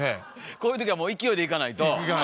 こういう時はもう勢いでいかないと。